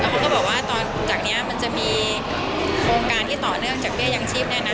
เขาก็บอกว่าตอนจากนี้มันจะมีโครงการที่ต่อเนื่องจากเบี้ยยังชีพเนี่ยนะ